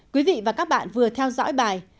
quý vị và các bạn vừa theo dõi bài